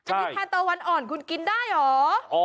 อันนี้ทานตะวันอ่อนคุณกินได้เหรอ